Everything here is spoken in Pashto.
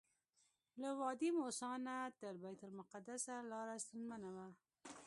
له وادي موسی نه تر بیت المقدسه لاره ستونزمنه وه.